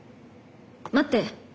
待って。